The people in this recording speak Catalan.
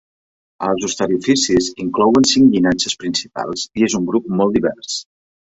Els ostariofisis inclouen cinc llinatges principals i és un grup molt divers.